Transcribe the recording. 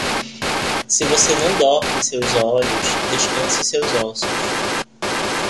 Se você não dorme seus olhos, descanse seus ossos.